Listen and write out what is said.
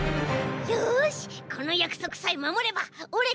よしこのやくそくさえまもればオレっ